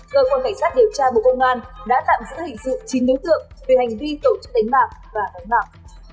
cơ quan cảnh sát điều tra bộ công an đã tạm giữ hình sự chín đối tượng về hành vi tổ chức đánh bạc và đánh bạc